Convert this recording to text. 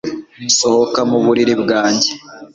Sohoka mu buriri bwanjye